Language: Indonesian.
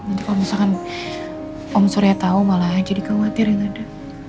nanti kalau misalkan om surya tau malah jadi khawatir yang ada